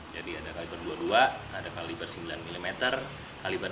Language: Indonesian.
jadi ada kaliber dua puluh dua ada kaliber sembilan puluh sembilan